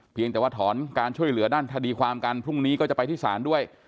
แต่ว่าถอนการช่วยเหลือด้านคดีความกันพรุ่งนี้ก็จะไปที่ศาลด้วย